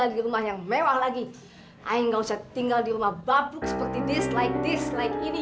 yuk enak kalian kalian cari uang yang banyak ya supaya i bisa pulang